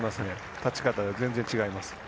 立ち方全然違います。